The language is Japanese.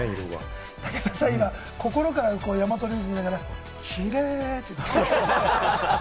武田さん、今、心から大和ルージュ見ながら、キレイ！って言ってた。